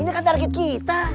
ini kan target kita